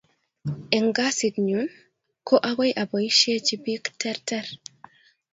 Eng kasit nyun, ko akoi aboishechi bik terter